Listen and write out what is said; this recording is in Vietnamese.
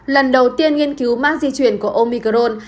lần đầu tiên nghiên cứu mark di chuyển của omicron